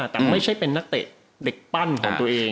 แต่ไม่ใช่เป็นนักเตะเด็กปั้นของตัวเอง